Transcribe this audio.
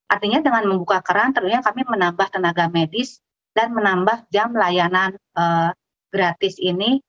artinya dengan membuka keran tentunya kami menambah tenaga medis dan menambah jam layanan gratis ini